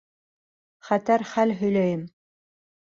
Хәтәр хәл һөйләйем.